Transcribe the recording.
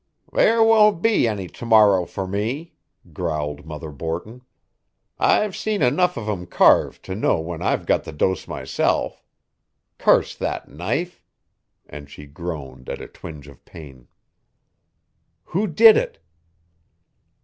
"There won't be any to morrow for me," growled Mother Borton. "I've seen enough of 'em carved to know when I've got the dose myself. Curse that knife!" and she groaned at a twinge of pain. "Who did it?"